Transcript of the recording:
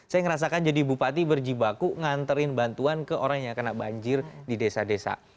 saya ngerasakan jadi bupati berjibaku nganterin bantuan ke orang yang kena banjir di desa desa